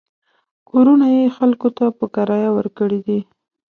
کورونه یې خلکو ته په کرایه ورکړي دي.